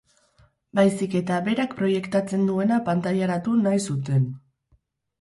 Baizik eta berak proiektatzen duena pantailaratu nahi zuten.